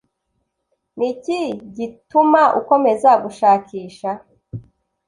Ni iki gituma ukomeza gushakisha